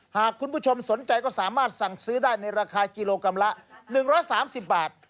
หากคุณผู้ชมสนใจก็สามารถสั่งซื้อได้ในราคากิโลกรัมละ๑๓๐บาท